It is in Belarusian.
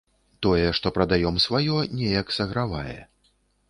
Тое, што прадаём сваё, неяк сагравае.